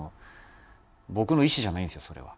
僕の意思じゃないんですよそれは。